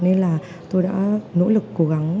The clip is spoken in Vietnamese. nên là tôi đã nỗ lực cố gắng